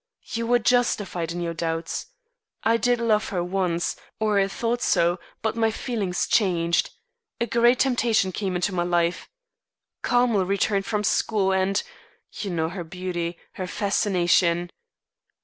You were justified in your doubts. I did love her once, or thought so, but my feelings changed. A great temptation came into my life. Carmel returned from school and you know her beauty, her fascination.